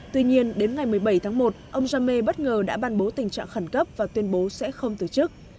tuy nhiên đến ngày một mươi bảy tháng một ông jame bất ngờ đã ban bố tình trạng khẩn cấp và tuyên bố sẽ không từ chức